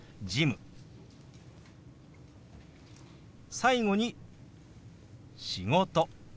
最後に「仕事」。